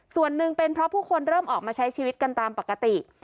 ส่วนหนึ่งเป็นเพราะผู้คนเริ่มออกมาใช้ชีวิตกันตามปกติ